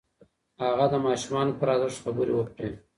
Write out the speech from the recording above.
هغه د ماشوم پر ارزښت خبرې وکړې.